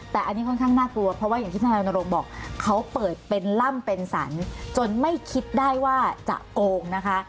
แต่อันนี้ค่อนข้างน่ากลัวเพราะว่าอย่างที่ทนายรณรงค์บอกเขาเปิดเป็นล่ำเป็นสรรจนไม่คิดได้ว่าจะโกงนะคะ